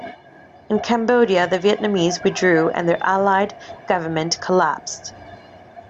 In Cambodia, the Vietnamese withdrew and their allied government collapsed.